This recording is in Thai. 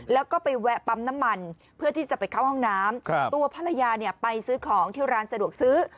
แล้วก็ไปแวะปั๊มน้ำมันเพื่อที่จะไปเข้าห้องน้ำตัวภรรยาเนี่ยไปซื้อของที่ร้านสะดวกซื้อ